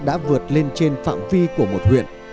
đã vượt lên trên phạm vi của một huyện